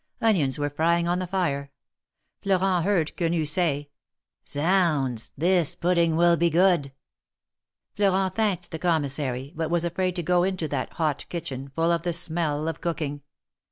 Onions were frying on the fire. Florent heard Quenu say: Zounds ! this pudding will be good ! Florent thanked the Commissary, but was afraid to go into that hot kitchen, full of the smell of cooking.